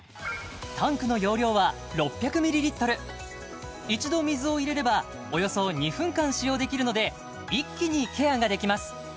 タンクの容量は６００ミリリットル一度水を入れればおよそ２分間使用できるので一気にケアができます